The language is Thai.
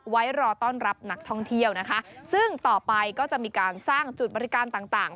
ไว้รอต้อนรับนักท่องเที่ยวนะคะซึ่งต่อไปก็จะมีการสร้างจุดบริการต่างต่าง